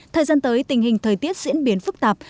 thời gian tới tình hình thời tiết diễn biến phức tạp